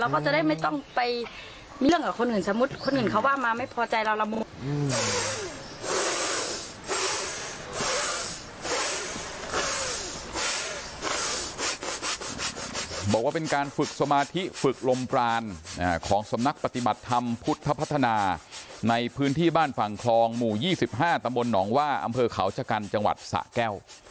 บอกว่าเป็นการฝึกสมาธิฝึกลมปรานของสำนักปฏิบัติธรรมพุทธพัฒนาในพื้นที่บ้านฝั่งคลองหมู่๒๕ตะบลหนองว่าอำเภอเขาชะกันจังหวัดสะแก้ว